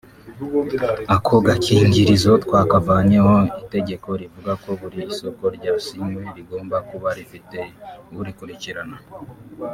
Ako gakingirizo twakavanyeho […] Itegeko rivuga ko buri soko ryasinywe rigomba kuba rifite urikurikirana